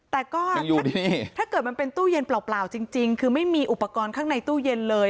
แต่ก็ถ้าเกิดมันเป็นตู้เย็นเปล่าจริงคือไม่มีอุปกรณ์ข้างในตู้เย็นเลย